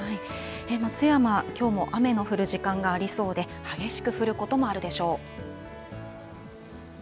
松山、きょうも雨が降る時間がありそうで、激しく降ることもあるでしょう。